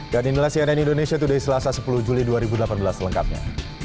dan inilah cnn indonesia today selasa sepuluh juli dua ribu delapan belas lengkapnya